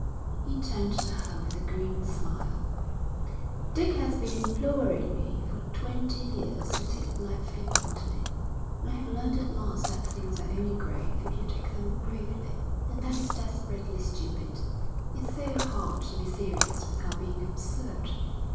He turned to her with a grim smile. 'Dick has been imploring me for twenty years to take life flippantly. I have learnt at last that things are only grave if you take them gravely, and that is desperately stupid. It's so hard to be serious without being absurd.